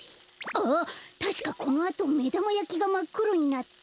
あったしかこのあとめだまやきがまっくろになって。